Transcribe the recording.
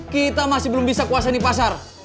kita masih belum bisa kuasa di pasar